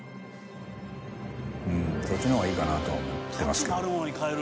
うんそっちのほうがいいかなとは思ってますけど。